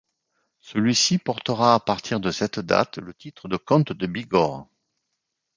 Celui-ci portera à partir de cette date le titre de comte de Bigorre.